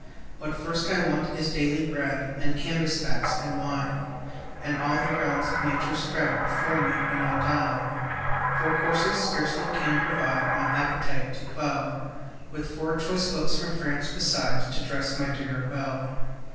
What first I want is daily bread And canvas backs, and wine And all the realms of nature spread Before me, when I dine. Four courses scarcely can provide My appetite to quell; With four choice cooks from France beside, To dress my dinner well.